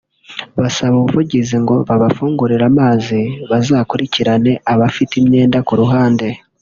basaba ubuvugizi ngo babafungurire amazi bazakurikirane abafite imyenda ku ruhande